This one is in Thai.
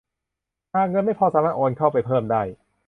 หากเงินไม่พอสามารถโอนเงินเข้าไปเพิ่มได้